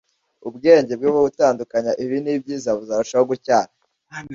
ubwenge bwe bwo gutandukanya ibibi n’ibyiza buzarushaho gutyara